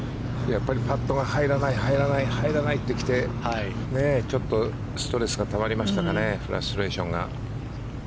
やっぱりパットが入らない、入らない入らないって来てちょっとストレスがたまりましたかねフラストレーションが。